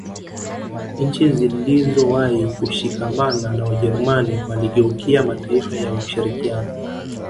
Nchi zilizowahi kushikamana na Wajerumani waligeukia mataifa ya ushirikiano